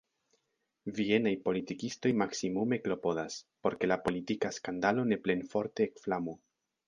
Vienaj politikistoj maksimume klopodas, por ke la politika skandalo ne plenforte ekflamu.